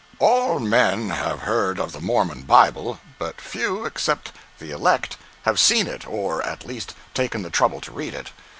All men have heard of the Mormon Bible, but few except the "elect" have seen it, or, at least, taken the trouble to read it.